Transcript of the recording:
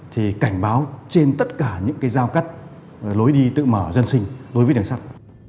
thì cảnh báo trên tất cả những cái giao cắt lối đi tự mở dân sinh đối với đường sắt